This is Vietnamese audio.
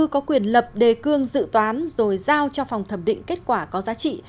có quyền lập đề cương dự toán rồi giao cho phòng thẩm định kết quả có giá trị